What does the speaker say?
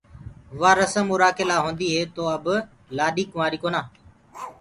وآ رسم اُرو ڪي لاهونديٚ هي تو ڪي اب لآڏي ڪنوآرئ ڪونآ۔